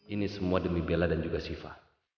ini semua demi bella dan juga siva